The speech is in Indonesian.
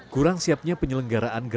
kurang siapnya penyelenggaraan gerakan industri